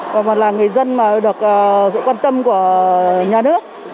còn là người dân được quan tâm của nhà nước